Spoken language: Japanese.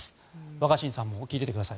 若新さんも聞いていてください。